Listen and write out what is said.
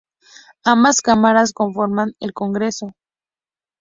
Ambas cámaras conforman al Congreso.